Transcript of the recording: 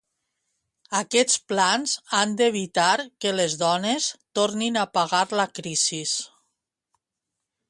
Aquests plans han d'evitar que les dones "tornin a pagar la crisi".